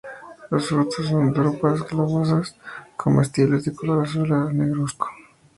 Los frutos son drupas globosas comestibles, de color azul a negruzco.